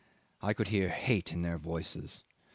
"I could hear hate in their voices.